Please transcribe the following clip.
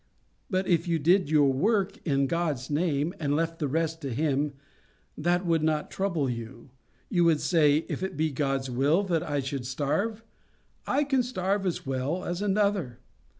But if you did your work in God's name, and left the rest to Him, that would not trouble you. You would say, If it be God's will that I should starve, I can starve as well as another.